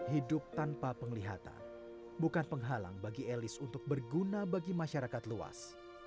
hidup tanpa penglihatan bukan penghalang bagi elis untuk berguna bagi masyarakat luas